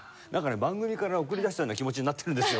番組から送り出したような気持ちになってるんですよ